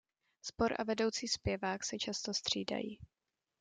Sbor a vedoucí zpěvák se často střídají.